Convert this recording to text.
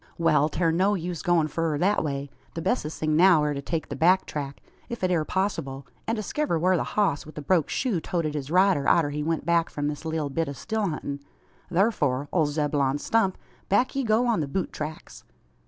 "Wal, 'tair no use goin' furrer thet way. The bessest thing now air to take the back track, if it air possable, an diskiver whar the hoss wi' the broke shoe toted his rider arter he went back from this leetle bit o' still huntin'. Thurfor, ole Zeb'lon Stump, back ye go on the boot tracks!"